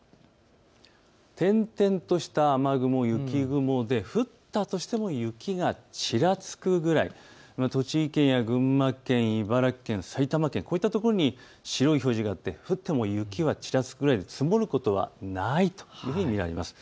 点々とした雨雲、雪雲で降ったとしても雪がちらつくぐらい、栃木県や群馬県、茨城県、埼玉県、こういったところに白い表示があって、降っても雪はちらつくくらいで積もることはないというふうに見られます。